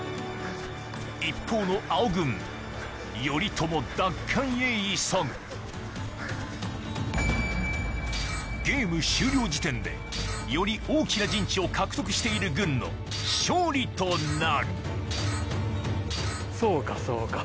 一方の青軍頼朝奪還へ急ぐゲーム終了時点でより大きな陣地を獲得している軍の勝利となるそうかそうか。